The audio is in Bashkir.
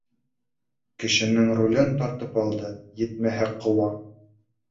Кешенең ролен тартып алды, етмәһә, ҡыуа.